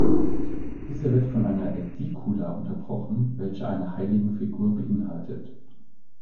Dieser wird von einer Ädikula unterbrochen, welche eine Heiligenfigur beinhaltet.